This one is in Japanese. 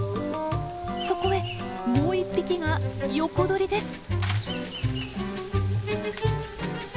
そこへもう１匹が横取りです。